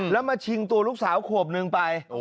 แล้วมาชิงตัวลูกสาวขวบนึงไป